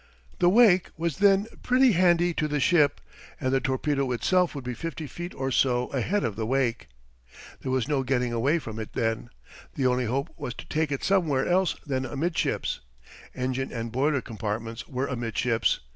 The wake was then pretty handy to the ship, and the torpedo itself would be fifty feet or so ahead of the wake. There was no getting away from it then. The only hope was to take it somewhere else than amidships. Engine and boiler compartments were amidships.